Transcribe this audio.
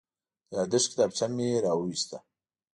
د یادښت کتابچه مې راوویسته.